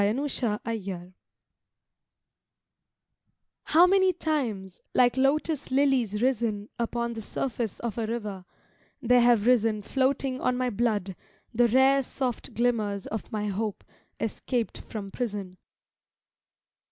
LOTUS HURT BY THE COLD How many times, like lotus lilies risen Upon the surface of a river, there Have risen floating on my blood the rare Soft glimmers of my hope escaped from prison.